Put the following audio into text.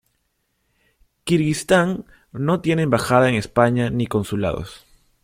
Kirguistán no tiene embajada en España ni consulados.